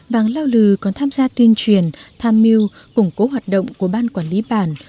vàng lao lư còn tham gia tuyên truyền tham mưu củng cố hoạt động của ban quản lý bản